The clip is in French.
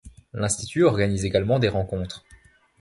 L’institut organise également des rencontres.